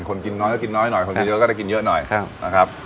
คนกินน้อยก็กินน้อยหน่อยคนกินเยอะก็ได้กินเยอะหน่อยนะครับ